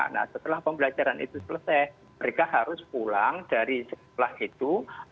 nah setelah pembelajaran itu selesai mereka harus pulang dari sekolah itu